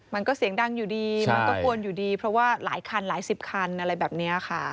มันก็เสียงดังอยู่ดีมันก็กวนอยู่ดีเพราะว่าหลายคันหลายสิบคันอะไรแบบนี้ค่ะ